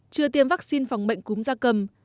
chưa tiêm vaccine phòng bệnh cúng da cầm